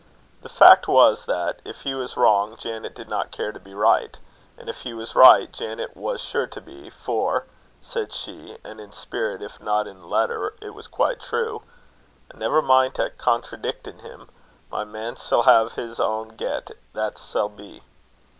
The fact was that, if he was wrong, Janet did not care to be right; and if he was right, Janet was sure to be; "for," said she and in spirit, if not in the letter, it was quite true "I never mint at contradickin' him. My man sall hae his ain get, that sall he."